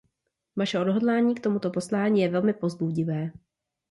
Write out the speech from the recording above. Vaše odhodlání k tomuto poslání je velmi povzbudivé.